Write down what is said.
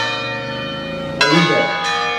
Alija.